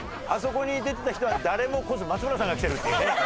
あそこに出てた人は誰も来ず松村さんが来てるっていうね。